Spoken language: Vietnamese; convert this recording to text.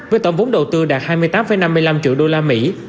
với tổng vốn đầu tư đạt hai mươi tám năm mươi năm triệu đô la mỹ